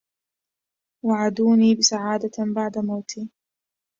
وعدوني سعادة بعد موتي